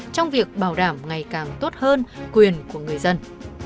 trong việc bảo đảm ngày càng tốt hơn quyền của người dân